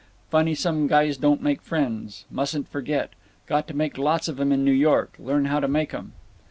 Funny some guys don't make friends. Mustn't forget. Got to make lots of 'em in New York. Learn how to make 'em."